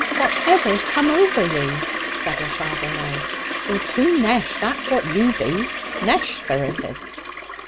'Whatever's come o'er ye?' said her father now. 'You're too nesh, that's what you be, nesh spirited.'